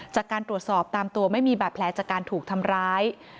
จากการตรวจสอบตามตัวไม่มีบาดแผลจากการถูกทำร้าย